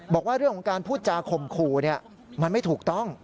บอกว่าเรื่องของการพูดจาข่มขู่มันไม่ถูกต้อง